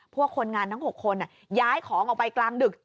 คนงานทั้ง๖คนย้ายของออกไปกลางดึก